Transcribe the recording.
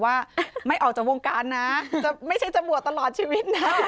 ว่าไม่ออกจากวงการนะจะไม่ใช่ตำรวจตลอดชีวิตนะ